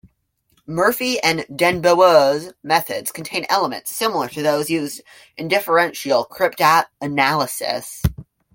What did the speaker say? Murphy and den Boer's methods contain elements similar to those used in differential cryptanalysis.